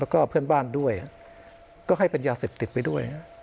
แล้วก็เพื่อนบ้านด้วยก็ให้เป็นยาเสพติดไปด้วย